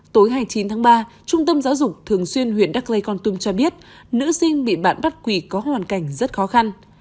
tối hai mươi chín tháng ba trung tâm giáo dục thường xuyên huyện đắc lây con tum cho biết nữ sinh bị bạn bắt quỳ có hoàn cảnh rất khó khăn